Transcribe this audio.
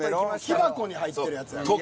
木箱に入ってるやつやから。